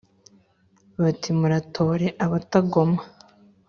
Bati : Muratore abatagoma.